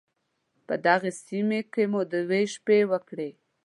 په دغې سيمې کې مو دوه شپې وکړې.